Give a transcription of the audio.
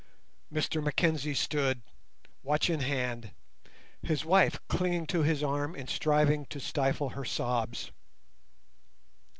Mr Mackenzie stood, watch in hand, his wife clinging to his arm and striving to stifle her sobs.